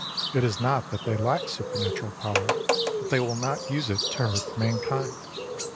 It is not that they lack supernatural power, but they will not use it to hurt mankind.